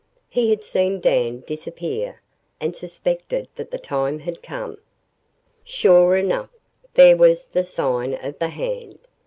He had seen Dan disappear and suspected that the time had come. Sure enough, there was the sign of the hand.